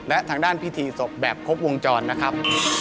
และทางด้านพิธีศพแบบครบวงจรนะครับ